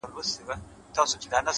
څنگه دي هېره كړمه؛